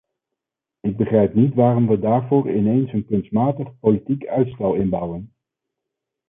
Ik begrijp niet waarom we daarvoor ineens een kunstmatig, politiek uitstel inbouwen.